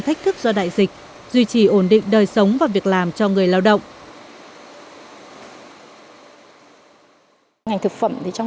thách thức do đại dịch duy trì ổn định đời sống và việc làm cho người lao động